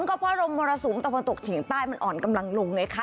ก็เพราะลมมรสุมตะวันตกเฉียงใต้มันอ่อนกำลังลงไงคะ